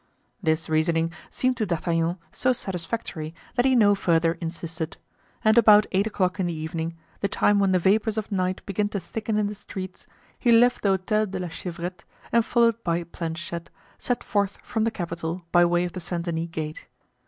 This reasoning seemed to D'Artagnan so satisfactory that he no further insisted; and about eight o'clock in the evening, the time when the vapors of night begin to thicken in the streets, he left the Hotel de la Chevrette, and followed by Planchet set forth from the capital by way of the Saint Denis gate.